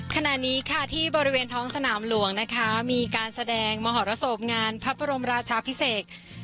ขณะนี้ค่ะที่บริเวณท้องสนามหลวงนะคะมีการแสดงมหรสบงานพระบรมราชาพิเศษ